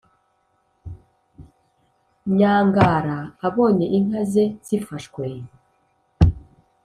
nyangara abonye inka ze zifashwe